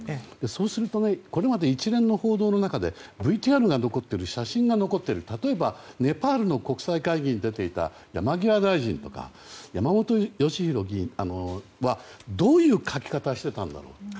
そうするとこれまで一連の報道の中でＶＴＲが残っている写真が残っている例えばネパールの国際会議に出た山際大臣などはどういう書き方をしてたんだろうと。